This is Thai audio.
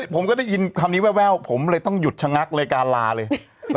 ผมก็ได้ยินคำนี้แววผมเลยต้องหยุดชะงักเลยการลาเลย